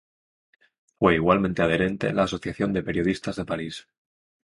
Fue igualmente adherente de la asociación de periodistas de París.